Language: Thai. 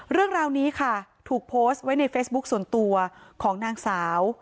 เรื่องราวนี้ค่ะถูกโพสต์ไว้ในเฟซบุ๊คส่วนตัวของนางสาว